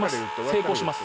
成功します